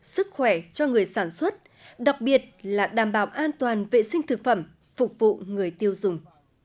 sức khỏe cho người sản xuất đặc biệt là đảm bảo an toàn vệ sinh thực phẩm phục vụ người tiêu dùng